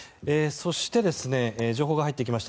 そして、情報が入ってきました。